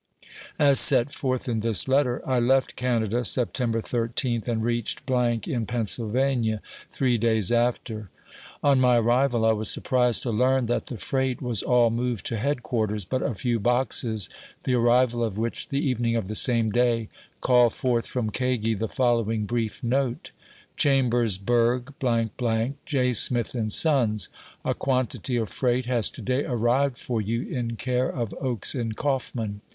As set forth in this letter, I left Canada September 13th, and reached , in Pennsylvania, three days after. On my arrival, I was surprised to learn that the freight was all moved to head quarters, but a few boxes, the arrival of which, the evening of the same day, called forth from &agi the follow ing brief note :— Chambersbdeg, ,—. J. Smith & Sons, — A quantity of freight has to day arrived for you in care of Oaks & Caufman.